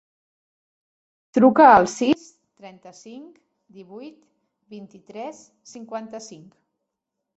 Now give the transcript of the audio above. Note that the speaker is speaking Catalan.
Truca al sis, trenta-cinc, divuit, vint-i-tres, cinquanta-cinc.